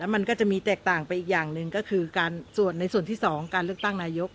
มันก็จะมีแตกต่างไปอีกอย่างหนึ่งก็คือการส่วนในส่วนที่๒การเลือกตั้งนายก